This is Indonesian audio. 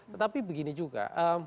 tetapi begini juga